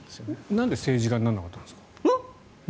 なんで政治家にならなかったんですか？